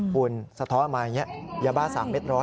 คุณสะท้อนมาอย่างนี้ยาบ้า๓เม็ดร้อย